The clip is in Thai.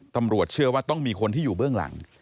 ตำรวจเชื่อว่าต้องมีคนที่อยู่เบื้องหลัง